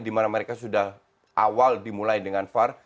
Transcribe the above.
di mana mereka sudah awal dimulai dengan var